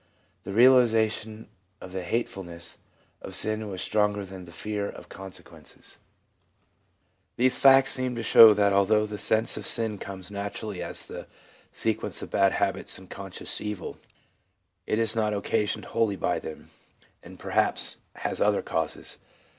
The realisation of the hatefulnesss of sin was stronger than the fear of the consequences/ These facts seem to show that although the sense of sin comes naturally as the sequence of bad habits and conscious evil, it is not occasioned wholly by them, and perhaps has other causes.